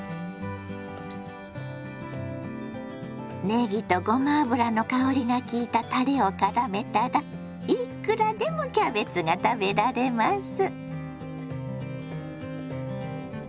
ねぎとごま油の香りが効いたたれをからめたらいくらでもキャベツが食べられます。